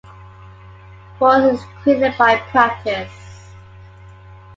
Forth is created by practice.